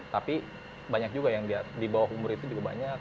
tapi banyak juga yang di bawah umur itu juga banyak